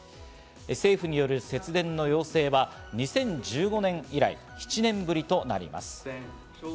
政府による節電の要請は２０１５年以来、７年ぶりとなります。